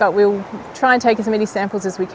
tapi kami akan mencoba mengambil sampel sample yang banyak